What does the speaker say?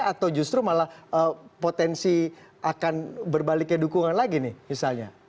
atau justru malah potensi akan berbaliknya dukungan lagi nih misalnya